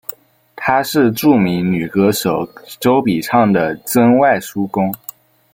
他是着名女歌手周笔畅的曾外叔公。